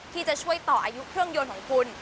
ที่จะช่วยต่ออายุเครื่องยนต์ของคุณ